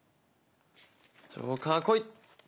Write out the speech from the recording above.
ジョーカー来い！